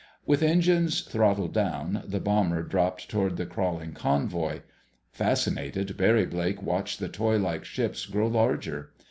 With engines throttled down, the bomber dropped toward the crawling convoy. Fascinated, Barry Blake watched the toy like ships grow larger.